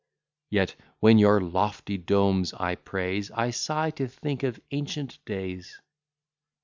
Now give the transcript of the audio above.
Yet, when your lofty domes I praise I sigh to think of ancient days.